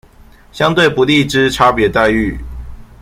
相對不利之差別待遇